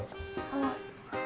はい。